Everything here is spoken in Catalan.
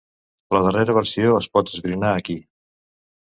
La darrera versió es pot esbrinar aquí.